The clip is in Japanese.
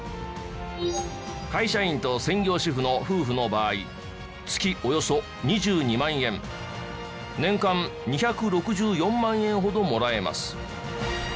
会社員と専業主婦の夫婦の場合月およそ２２万円年間２６４万円ほどもらえます。